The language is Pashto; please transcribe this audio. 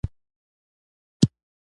غیرت له حق سره مینه ده